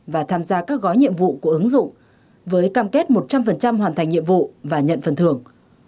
và tham gia các gói nhiệm vụ của ứng dụng với cam kết một trăm linh hoàn thành nhiệm vụ và nhận phần thưởng